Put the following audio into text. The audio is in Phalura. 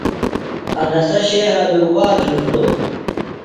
انسہ شہرہ بےۡ گُبا دھرِݜٹوۡ؟